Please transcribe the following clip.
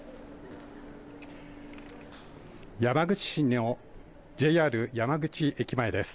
山口市のＪＲ山口駅前です。